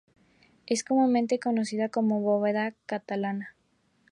Es comúnmente conocida como bóveda catalana.